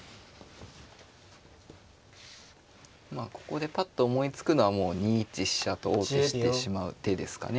まあここでパッと思いつくのはもう２一飛車と王手してしまう手ですかね。